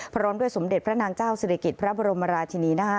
พร้อมด้วยสมเด็จพระนางเจ้าศิริกิจพระบรมราชินีนา